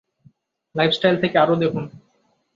lifestyle থেকে আরও দেখুন